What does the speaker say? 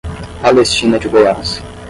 Palestina de Goiás